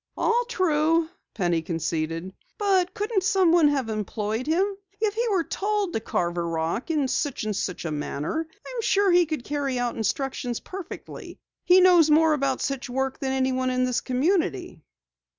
"All true," Penny conceded, "but couldn't someone have employed him? If he were told to carve a rock in such and such a manner, I'm sure he could carry out instructions perfectly. He knows more about such work than anyone in this community."